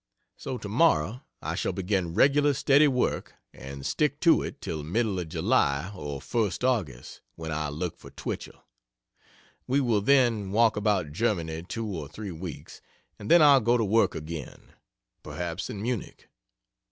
So tomorrow I shall begin regular, steady work, and stick to it till middle of July or 1st August, when I look for Twichell; we will then walk about Germany 2 or 3 weeks, and then I'll go to work again (perhaps in Munich.)